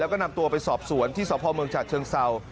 แล้วก็นำตัวไปสอบสวนที่สพเมืองฉะเชิงเศร้า